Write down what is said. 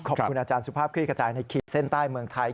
ขอบคุณอาจารย์สุภาพคลี่ขจายในขีดเส้นใต้เมืองไทย